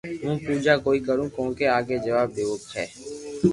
ھون پوجا ڪوئيي ڪرو ڪونڪھ آگي جواب ديوو ھي